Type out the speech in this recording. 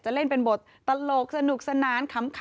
เล่นเป็นบทตลกสนุกสนานขำ